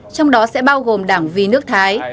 trong đó sẽ bao gồm đảng vi nước thái